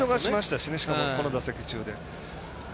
しかも、この打席中に。